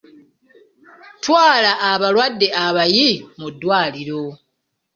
Twala abalwadde abayi mu ddwaliro.